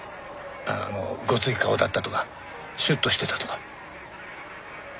あのごつい顔だったとかシュッとしてたとか。